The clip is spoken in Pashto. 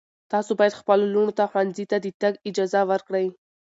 تاسو باید خپلو لوڼو ته ښوونځي ته د تګ اجازه ورکړئ.